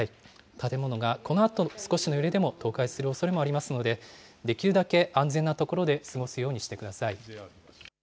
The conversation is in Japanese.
建物がこのあと少しの揺れでも倒壊するおそれもありますので、できるだけ安全な所で過ごすようにしてください。